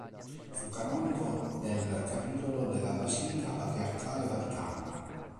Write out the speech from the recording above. Fu canonico del capitolo della basilica patriarcale vaticana.